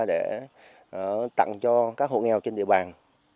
để tặng cho các hộ nghèo trên địa bàn